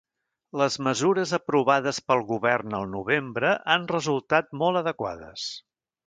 Les mesures aprovades pel govern al novembre han resultat molt adequades.